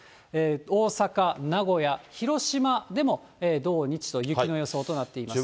大阪、名古屋、広島でも土日と雪の予想となっています。